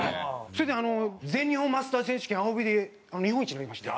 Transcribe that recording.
それで全日本マスター選手権青帯で日本一になりまして。